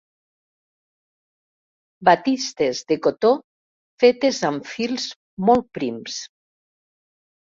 Batistes de cotó fetes amb fils molt prims.